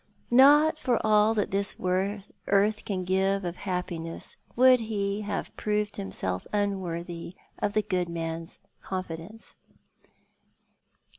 Not for all that this earth can give of happi ness would he have proved himself unworthy of the good man's confidence.